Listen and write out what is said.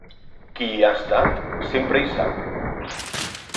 Qui hi ha estat sempre hi sap.